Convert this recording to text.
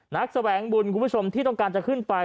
นักแสวงบุญที่ต้องการจะขึ้นไป